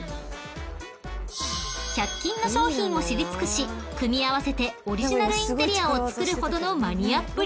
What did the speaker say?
［１００均の商品を知り尽くし組み合わせてオリジナルインテリアを作るほどのマニアっぷり］